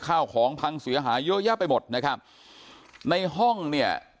ข้าวของพังเสียหายเยอะแยะไปหมดนะครับในห้องเนี่ย